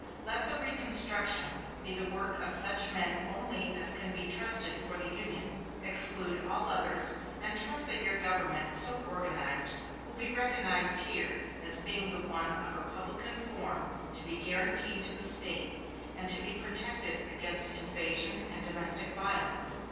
Let the reconstruction be the work of such men only as can be trusted for the Union. Exclude all others; and trust that your government so organized will be recognized here as being the one of republican form to be guaranteed to the State, and to be protected against invasion and domestic violence.